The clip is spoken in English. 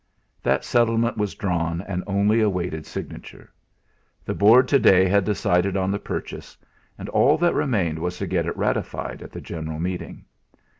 That settlement was drawn and only awaited signature. The Board to day had decided on the purchase; and all that remained was to get it ratified at the general meeting.